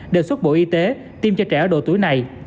đề xuất bộ y tế tiêm cho trẻ ở độ tuổi này